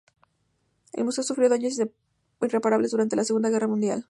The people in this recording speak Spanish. El museo sufrió daños irreparables durante la Segunda Guerra Mundial.